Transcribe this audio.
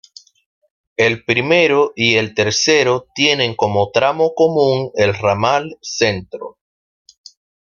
El primero y el tercero tienen como tramo común el ramal Centro.